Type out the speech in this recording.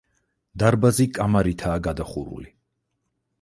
დარბაზი კამარითაა გადახურული.